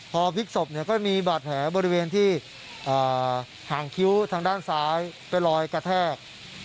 พอพลิกศพเนี่ยก็มีบาดแผลบริเวณที่หางคิ้วทางด้านซ้ายเป็นรอยกระแทก